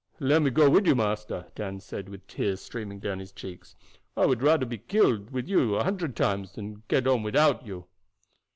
"Let me go with you, master," Dan said, with the tears streaming down his cheeks. "I would rather be killed with you a hundred times than get on without you."